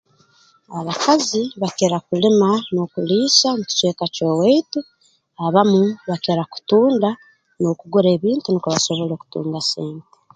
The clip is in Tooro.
Abakazi bakira kulima n'okuliisa mu kicweka ky'owaitu abamu bakira kutunda n'okugura ebintu nukwo basobole kutunga sente